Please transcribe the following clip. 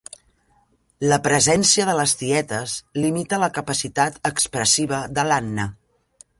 La presència de les tietes limita la capacitat expressiva de l'Anna.